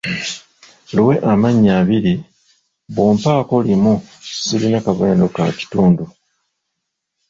Luwe amannya abiri bw'ompaako limu sirina kabonero ka kitundu.